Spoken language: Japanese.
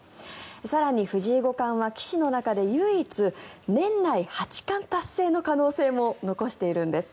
更に藤井五冠は棋士の中で唯一年内八冠達成の可能性も残しているんです。